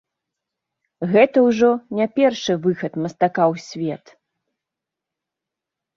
Гэта ўжо не першы выхад мастака ў свет.